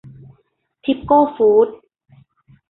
ทิปโก้ฟูดส์